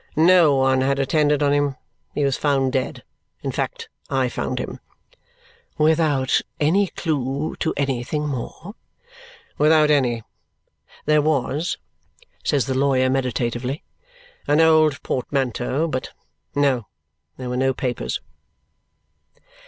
"No one had attended on him. He was found dead. In fact, I found him." "Without any clue to anything more?" "Without any; there was," says the lawyer meditatively, "an old portmanteau, but No, there were no papers."